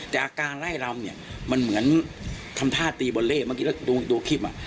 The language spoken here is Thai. จากการไล่รำเนี่ยมันเหมือนทำท่าตีบอลเล่เมื่อกี้แล้วดูคลิปอ่ะ